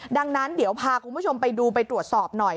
ดังนั้นเดี๋ยวพาคุณผู้ชมไปดูไปตรวจสอบหน่อย